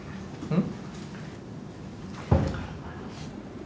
うん。